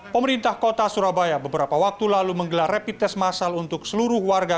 pemerintah kota surabaya beberapa waktu lalu menggelar rapid test masal untuk seluruh warga